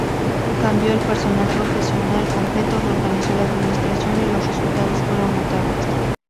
Cambió el personal profesional completo, reorganizó la administración y los resultados fueron notables.